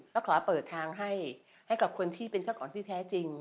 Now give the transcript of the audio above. ก็ขอเปิดทางให้กับคนที่เป็นเจ้าของที่แท้จริง